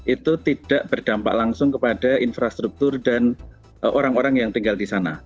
itu tidak berdampak langsung kepada infrastruktur dan orang orang yang tinggal di sana